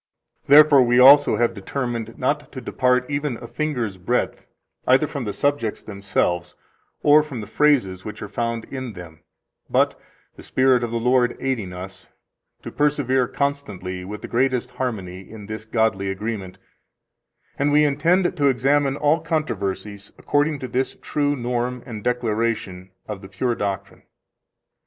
Therefore we also have determined not to depart even a finger's breadth either from the subjects themselves, or from the phrases which are found in them, but, the Spirit of the Lord aiding us, to persevere constantly, with the greatest harmony, in this godly agreement, and we intend to examine all controversies according to this true norm and declaration of the pure doctrine.